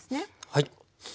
はい。